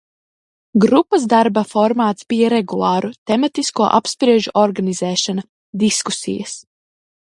Grupas darba formāts bija regulāru tematisko apspriežu organizēšana, diskusijas.